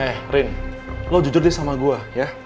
eh rin lo jujur deh sama gue ya